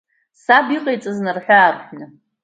Саб иҟаиҵаз нарҳәы-аарҳәны.